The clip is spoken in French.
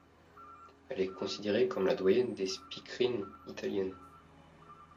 Elle est considérée comme la doyenne des speakerines italiennes.